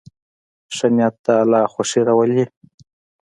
ښه نیت د الله خوښي راولي.